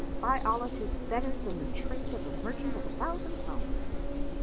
By Allah, 'tis better than the trade of a merchant a thousand times!"